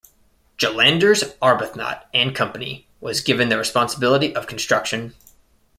Gillanders Arbuthnot and Company was given the responsibility of construction.